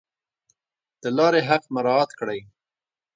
د لارې حق مراعات کړئ